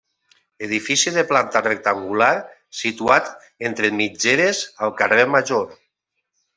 Edifici de planta rectangular, situat entre mitgeres al carrer Major.